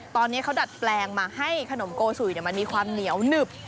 ตอนนี้เขาดัดแปลงมาให้ขนมโกสุยมันมีความเหนียวหนึบ